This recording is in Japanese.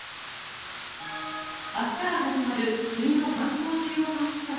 明日から始まる国の観光需要喚起策